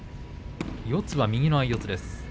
四つは右の相四つです。